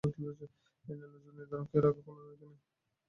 এই নির্লজ্জকে এই নিদারুণকে এর আগে কোনোদিন দেখি নি।